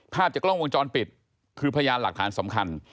ภาพจากกล้องวงจรปิดคือพยานหลักฐานสำคัญ